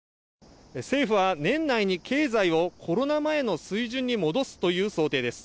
政府は年内に経済をコロナ前の水準に戻すという想定です。